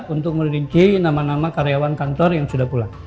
untuk merinci nama nama karyawan kantor yang sudah pulang